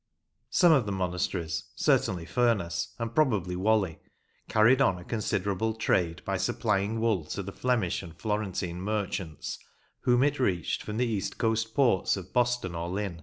Some of the monasteries, certainly Furness, and probably Whalley, carried on a considerable trade by supplying wool to the Flemish and Florentine merchants, whom it reached from the east coast ports of Boston or Lynn.